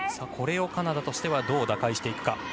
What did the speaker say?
これをカナダとしてはどう打開していくか。